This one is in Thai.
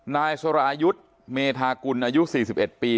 นายสรายุทธ์เมธากุลอายุ๔๑ปี